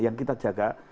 yang kita jaga